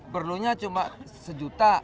perlunya cuma sejuta